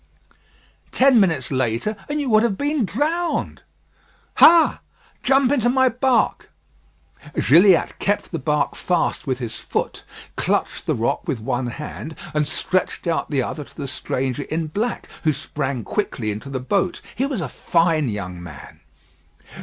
"Ten minutes later, and you would have been drowned." "Ha!" "Jump into my bark." Gilliatt kept the bark fast with his foot, clutched the rock with one hand, and stretched out the other to the stranger in black, who sprang quickly into the boat. He was a fine young man.